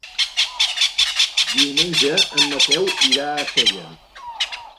Diumenge en Mateu irà a Sella.